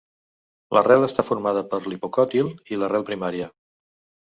L'arrel està formada per l'hipocòtil i l'arrel primària.